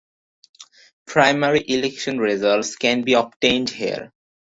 Primary election results can be obtained here.